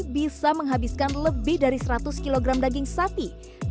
bisa menghabiskan lebih dari seratus kg daging sapi